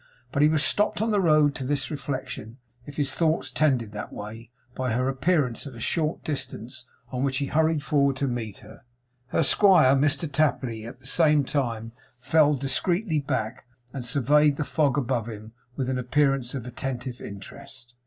But he was stopped on the road to this reflection, if his thoughts tended that way, by her appearance at a short distance, on which he hurried forward to meet her. Her squire, Mr Tapley, at the same time fell discreetly back, and surveyed the fog above him with an appearance of attentive interest.